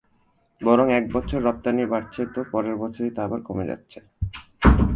বরং এক বছর রপ্তানি বাড়ছে তো পরের বছরই তা আবার কমে যাচ্ছে।